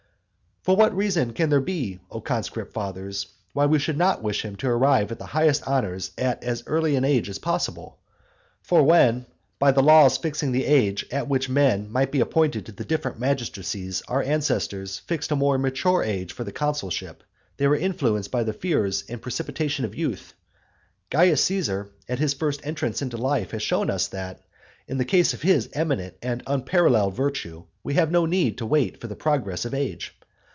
For what reason can there be, O conscript fathers, why we should not wish him to arrive at the highest honours at as early an age as possible? For when, by the laws fixing the age at which men might be appointed to the different magistracies our ancestors fixed a more mature age for the consulship, they were influenced by fears of the precipitation of youth, Caius Caesar, at his first entrance into life, has shown us that, in the case of his eminent and unparalleled virtue, we have no need to wait for the progress of age.